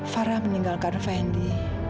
farah meninggalkan fendi